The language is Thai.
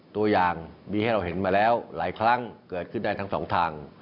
ตัวอย่างมีให้เราเห็นมาแล้วหลายครั้งเกิดขึ้นได้ทั้งสองทาง